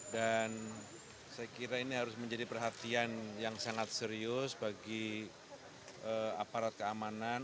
dan saya kira ini harus menjadi perhatian yang sangat serius bagi aparat keamanan